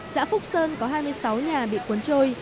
xã phúc sơn có hai mươi sáu nhà bị cuốn trôi